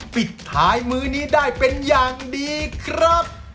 ปิดท้ายมื้อนี้ได้เป็นอย่างดีครับ